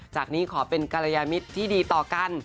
จากนี้ขอเป็นกรยามิตรที่ดีต่อกัน